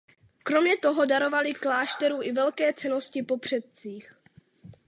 Kromě toho darovali klášteru i velké cennosti po předcích.